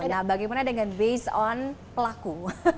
nah bagaimana dengan based on pelaku